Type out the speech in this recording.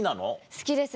好きです